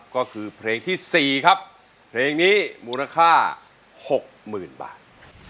ก็คือเพลงที่๔ครับเพลงนี้มูลค่า๖๐๐๐บาท